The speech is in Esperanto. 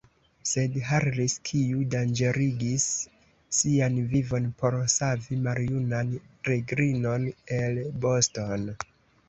Sed Harris, kiu danĝerigis sian vivon por savi maljunan negrinon el Boston!